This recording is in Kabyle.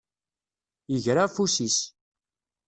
Yegra afus-is.